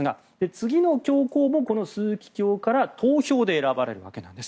次の教皇もこの枢機卿から投票で選ばれるわけです。